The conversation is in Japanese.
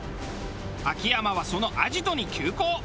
秋山はそのアジトに急行。